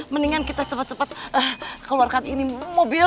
mendingan kita cepet cepet keluarkan ini mobil